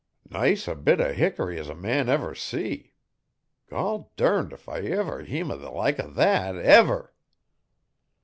Nice a bit o' hickory as a man ever see. Gol' durned if I ever heem o' the like o' that, ever.'